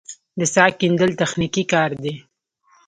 د څاه کیندل تخنیکي کار دی